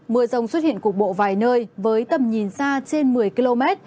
mưa rông xuất hiện cục bộ vài nơi với tầm nhìn xa trên một mươi km